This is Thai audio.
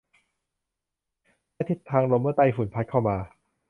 และทิศทางลมเมื่อไต้ฝุ่นพัดเข้ามา